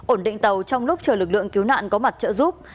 ổn định tàu trong lúc chờ lực lượng cứu nạn có mặt trợ giúp